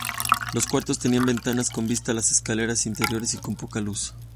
Los cuartos tenían ventanas con vista a las escaleras interiores y con poca luz.